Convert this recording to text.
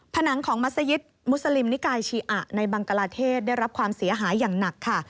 ผนังของมัศยิตมุสลิมนิกายชีอะในบังกลาเทศได้รับความเสียหายอย่างหนักค่ะ